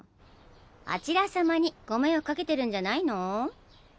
あちらさまにご迷惑かけてるんじゃないの？